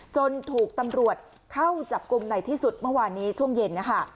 จนถูกตำรวจเข้าจับกลุ่มในที่สุดเมื่อวานนี้ช่วงเย็นนะคะ